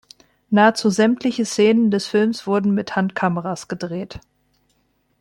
Nahezu sämtliche Szenen des Films wurden mit Handkameras gedreht.